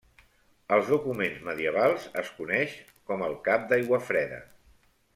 Als documents medievals es coneix com el cap d'Aiguafreda.